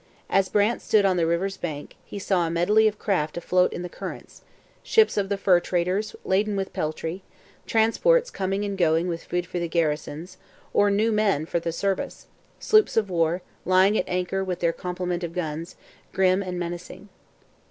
As Brant stood on the river's bank, he saw a medley of craft afloat in the current: ships of the fur traders laden with peltry; transports coming and going with food for the garrisons, or new men for the service; sloops of war, lying at anchor with their complement of guns, grim and menacing.